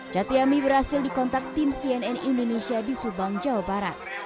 catyami berhasil dikontak tim cnn indonesia di subang jawa barat